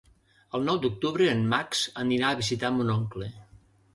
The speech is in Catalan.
El nou d'octubre en Max anirà a visitar mon oncle.